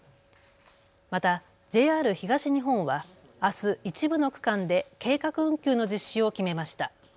またＪＲ東日本はあす一部の区間で計画運休の実施を決めました。